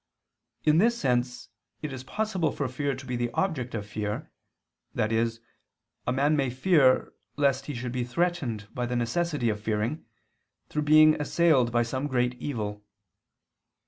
In this sense it is possible for fear to be the object of fear, i.e. a man may fear lest he should be threatened by the necessity of fearing, through being assailed by some great evil.